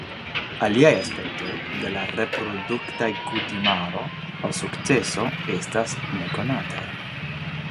Aliaj aspektoj de la reproduktaj kutimaro aŭ sukceso estas nekonataj.